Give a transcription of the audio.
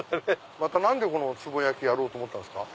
何でこのつぼ焼きやろうと思ったんですか？